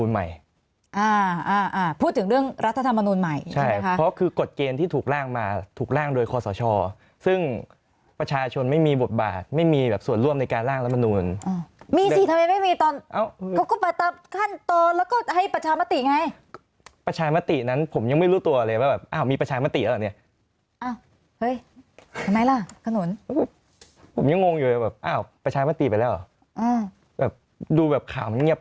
ใหม่พูดเรื่องราธรรมนุนใหม่คือกฎเกณฑ์ที่ถูกล่างมาถูกล่างโดยคอสชซึ่งประชาชนไม่มีบทบาทไม่มีหรือส่วนร่วมในการล่างละมนุนมันมีตอนค่อนข้างต่อแล้วก็ให้ประชามติไงประชามตินั้นผมยังไม่รู้ตัวเลยว่าอ้าวมีประชามติอ่ะเนี่ย